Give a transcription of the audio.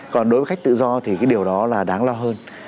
còn đối với khách tự do thì cái điều đó là đáng lo hơn